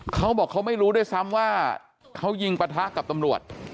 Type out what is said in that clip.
เขาบอกเขาไม่รู้ด้วยซ้ำว่าเขายิงปะทะกับตำรวจ